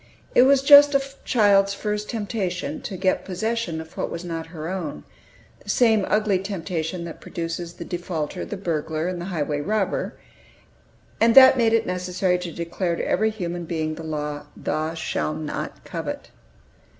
It was just a child's first temptation to get possession of what was not her own, the same ugly temptation that produces the defaulter, the burglar, and the highway robber, and that made it necessary to declare to every human being the law, "Thou shalt not covet."